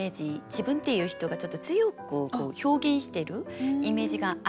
自分っていう人がちょっと強く表現してるイメージがあったかと思うんですね。